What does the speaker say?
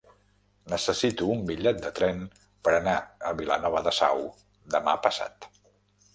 Necessito un bitllet de tren per anar a Vilanova de Sau demà passat.